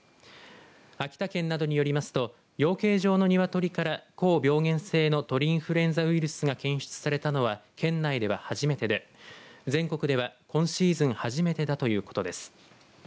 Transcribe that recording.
秋田県などによりますと養鶏場のニワトリから高病原性の鳥インフルエンザウイルスが検出されたのは県内では初めてで全国では今シーズン初めてだということです。